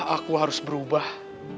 aku harus berubah